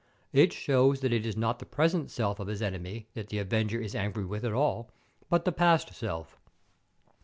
It shows that it is not the present self of his enemy that the avenger is angry with at all, but the past self.